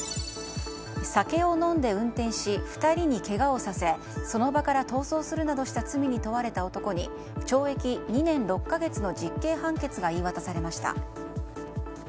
酒を飲んで運転し２人にけがをさせその場から逃走するなどした罪に問われた男に懲役２年６か月の実刑判決が言い渡されました。